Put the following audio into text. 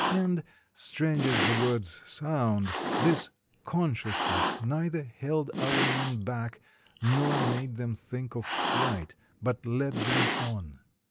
And, strange as the words sound, this conscious ness neither held our men back nor made them think of flight, but led them on.